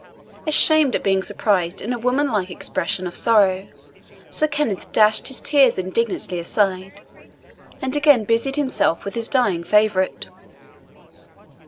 Ashamed at being surprised in a womanlike expression of sorrow, Sir Kenneth dashed his tears indignantly aside, and again busied himself with his dying favourite.